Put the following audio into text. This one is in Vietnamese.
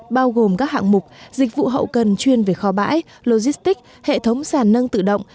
bao gồm các hạng mục dịch vụ hậu cần chuyên về kho bãi logistic hệ thống sản nâng tự động